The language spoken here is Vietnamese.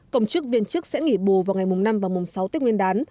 cộng chức viên chức sẽ nghỉ bù vào ngày mùng năm và mùng sáu tết nguyên đán